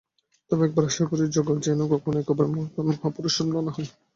তবে আমরা আশা করি, জগৎ যেন কখনও একেবারে এরূপ মহাপুরুষশূন্য না হয়।